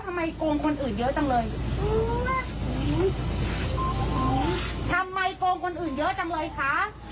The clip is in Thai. ทำไมโกงคนอื่นเยอะจังเลยคะ